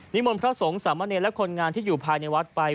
มนต์พระสงฆ์สามะเนรและคนงานที่อยู่ภายในวัดไป